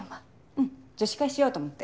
うん女子会しようと思って。